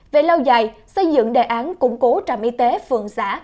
về lâu dài xây dựng đề án củng cố trạm y tế phường xã